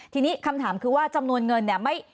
ทีนี้คำถามคือว่าจำนวนเงินเนี่ย